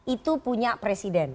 itu punya presiden